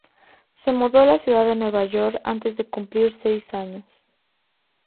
Se mudó a la ciudad de Nueva York antes de cumplir seis años.